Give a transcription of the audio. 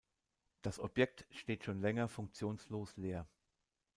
Das Objekt steht schon länger funktionslos leer.